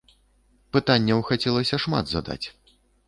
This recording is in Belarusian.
Пытанняў хацелася шмат задаць.